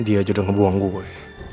dia aja udah ngebuang gue